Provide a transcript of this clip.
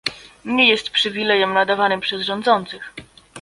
Nie jest przywilejem nadawanym przez rządzących